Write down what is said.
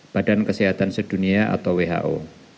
badan kesehatan sedunia atau who